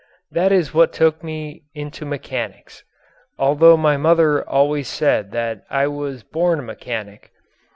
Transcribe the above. That is what took me into mechanics although my mother always said that I was born a mechanic.